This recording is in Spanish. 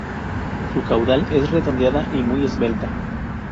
Su caudal es redondeada y muy esbelta.